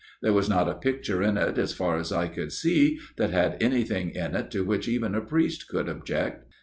There was not a picture in it, as far as I could see, that had anything in it to which even a priest could object.